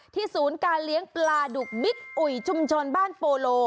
ศูนย์การเลี้ยงปลาดุกบิ๊กอุ๋ยชุมชนบ้านโปโล